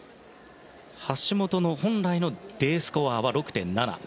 橋本の本来のＤスコアは６．７。